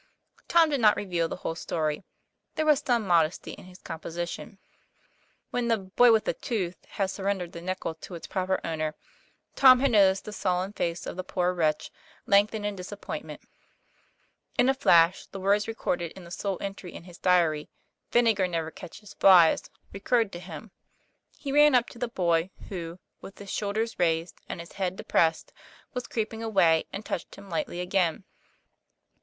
Tom did not reveal the whole story; there was some modesty in his composition. When the " boy with the tooth ' had surrendered the nickel to its proper owner, Tom had noticed the sullen face of the poor wretch lengthen in disappoint ment. In a flash the words recorded in the sole entry in his diary, "Vinegar never catches flies," re curred to him. He ran up to the boy, who, with his shoulders raised and his head depressed, was creep ing away, and touched him lightly again.